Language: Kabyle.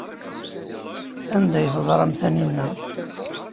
Anda ay teẓram Taninna?